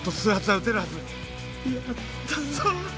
やったぞ。